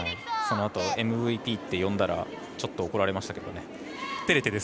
そのあとＭＶＰって呼んだらちょっと怒られましたけどね。